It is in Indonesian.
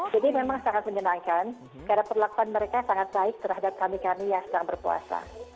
jadi memang sangat menyenangkan karena perlakuan mereka sangat baik terhadap kami kami yang sedang berpuasa